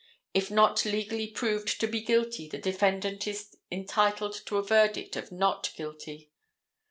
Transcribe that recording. If not legally proved to be guilty, the defendant is entitled to a verdict of not guilty.